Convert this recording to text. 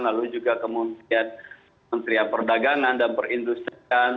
lalu juga kemudian menterian perdagangan dan perindustrian